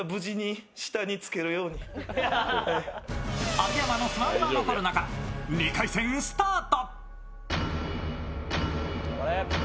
秋山の不安が残る中、２回戦スタート。